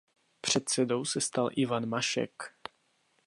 Předsedou se stal Ivan Mašek.